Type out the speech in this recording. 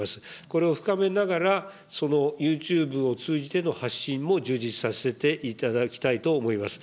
これを深めながら、そのユーチューブを通じての発信も充実させていただきたいと思います。